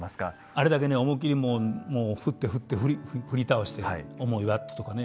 あれだけ思いっきりねもう振って振って振り倒して重いバットとかね。